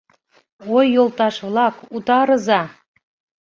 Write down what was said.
— Ой, йолташ-влак, утарыза!